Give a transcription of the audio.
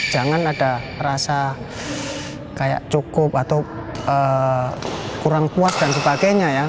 jangan ada rasa kayak cukup atau kurang puas dan sebagainya ya